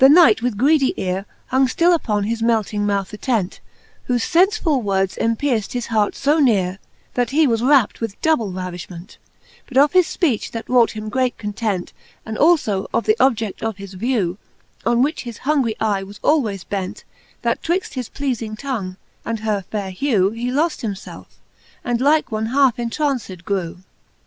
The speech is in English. Whyleft thus he talkt, the Knight with greedy eare Hong ftill upon his melting mouth attent ;» Whofe fenfefull words empierft his hart fo neare, ^' That he was rapt with double ravifhment, Both of his fpcach, that wrought him great content, And alfo of the objed: of his vew, On which his hungry eye was alwayes bent ; That twixt his pleafing tongue, and her faire hew, He loft himfelfe, and like one halfe entraunced grew.